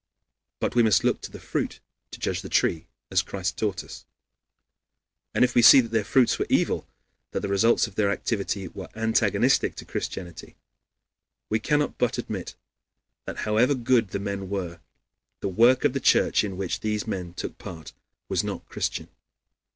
But we must look to the fruit to judge the tree, as Christ taught us. And if we see that their fruits were evil, that the results of their activity were antagonistic to Christianity, we cannot but admit that however good the men were the work of the Church in which these men took part was not Christian.